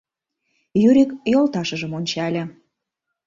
— Юрик йолташыжым ончале.